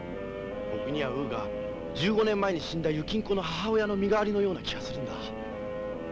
僕にはウーが１５年前に死んだ雪ん子の母親の身代わりのような気がするんだ。